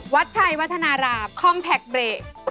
วัดชัยวัฒนารามคอมแท็กเบรก